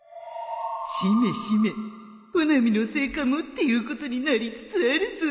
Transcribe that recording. しめしめ穂波のせいかもっていうことになりつつあるぞ